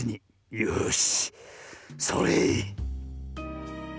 よしそれ！